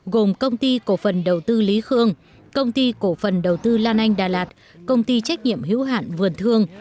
gồm công ty cổ phần đầu tư lý khương công ty cổ phần đầu tư lan anh đà lạt công ty trách nhiệm hữu hạn vườn thương